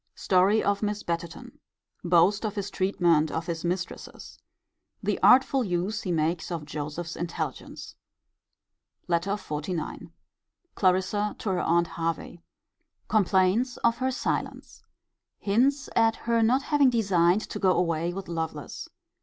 Story of Miss Betterton. Boast of his treatment of his mistresses. The artful use he makes of Joseph's intelligence. LETTER XLIX. Clarissa to her aunt Hervey. Complains of her silence. Hints at her not having designed to go away with Lovelace.